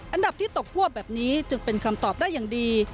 อันดับที่ตกควบแบบนี้จึงเป็นคำตอบได้อย่างดี